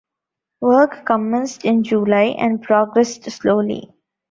Work commenced in July and progressed slowly.